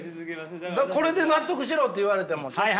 これで納得しろって言われてもちょっと。